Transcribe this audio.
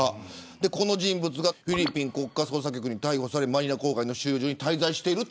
この人物がフィリピン国家捜査局に逮捕されマニラ郊外の収容所に収容されている。